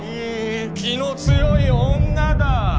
気の強い女だ！